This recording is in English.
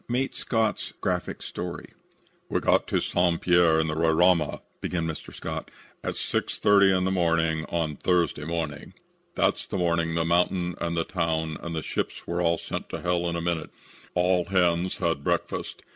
MATE SCOTT'S GRAPHIC STORY "We got to St. Pierre in the Roraima," began Mr. Scott, "at 6.30 o'clock on Thursday morning. That's the morning the mountain and the town and the ships were all sent to hell in a minute. "All hands had had breakfast.